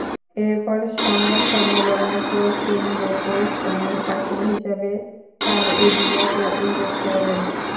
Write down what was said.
এরপর সংবাদ সম্মেলনে প্রচণ্ড পরিশ্রমের ফসল হিসেবে তার এ বিজয়কে উল্লেখ করেন।